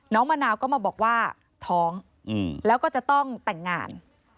มะนาวก็มาบอกว่าท้องแล้วก็จะต้องแต่งงาน